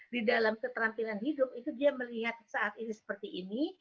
di dalam keterampilan hidup itu dia melihat saat ini seperti ini